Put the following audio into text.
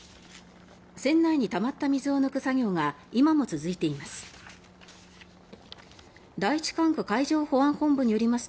船内にたまった水を抜く作業が今も続いています。